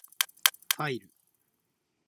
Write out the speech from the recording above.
ファイル